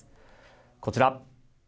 こちら！